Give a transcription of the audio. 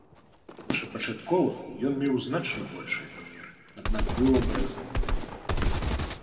Першапачаткова ён меў значна большыя памеры, аднак быў абрэзаны.